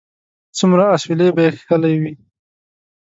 څومره اسويلي به یې کښلي وي